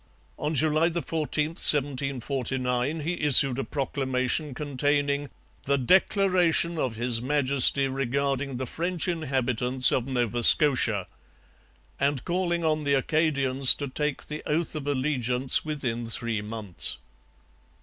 On July 14, 1749, he issued a proclamation containing 'the declaration of His Majesty regarding the French inhabitants of Nova Scotia,' and calling on the Acadians to take the oath of allegiance within three months.